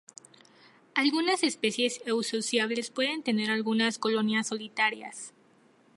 Algunas especies eusociales pueden tener algunas colonias solitarias.